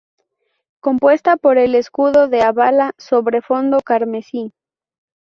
Compuesta por el Escudo de Álava sobre fondo carmesí.